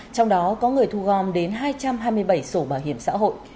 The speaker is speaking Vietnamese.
trong đó có người thu gom đến hai trăm hai mươi bảy sổ bảo hiểm xã hội